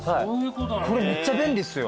これめっちゃ便利っすよ。